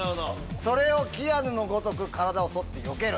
それをキアヌのごとく体を反って避ける。